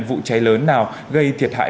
vụ cháy lớn nào gây thiệt hại